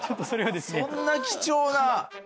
そんな貴重な。